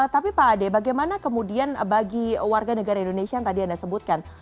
tapi pak ade bagaimana kemudian bagi warga negara indonesia yang tadi anda sebutkan